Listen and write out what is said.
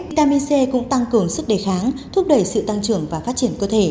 vitamin c cũng tăng cường sức đề kháng thúc đẩy sự tăng trưởng và phát triển cơ thể